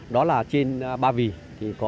đó là trên ba vì